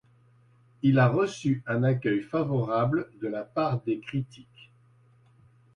Il a reçu un accueil favorable de la part des critiques.